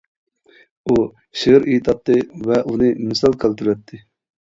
ئۇ شېئىر ئېيتاتتى ۋە ئۇنى مىسال كەلتۈرەتتى.